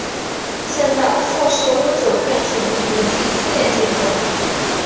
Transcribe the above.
现在富士屋酒店属于国际兴业集团。